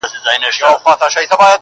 خو د عقل او د زور يې لاپي كړلې؛